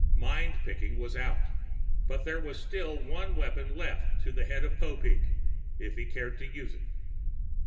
Mind picking was out, but there was still one weapon left to the head of Popeek, if he cared to use it.